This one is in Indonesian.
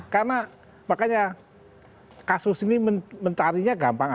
karena makanya kasus ini mencarinya gampang